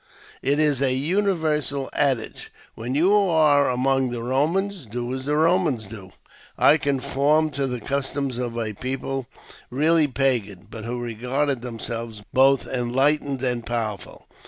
It is a universal adage, " When you are among the Eomans, do as the Romans do." I conformed to the customs of a people really pagan, but who regarded themselves both en lightened and powerful.